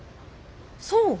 そう？